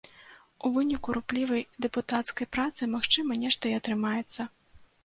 У выніку руплівай дэпутацкай працы магчыма, нешта і атрымаецца.